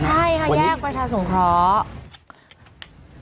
ใช่ค่ะแยกประชาสงเคราะห์